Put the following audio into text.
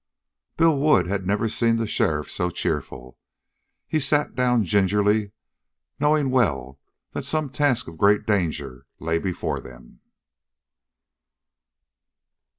Bill Wood had never seen the sheriff so cheerful. He sat down gingerly, knowing well that some task of great danger lay before them.